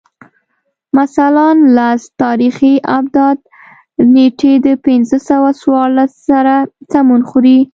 مثلاً لس تاریخي آبدات نېټې د پنځه سوه څوارلس سره سمون خوري